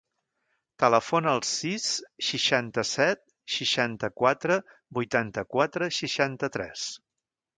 Telefona al sis, seixanta-set, seixanta-quatre, vuitanta-quatre, seixanta-tres.